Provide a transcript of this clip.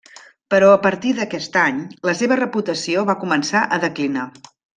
Però a partir d'aquest any, la seva reputació va començar a declinar.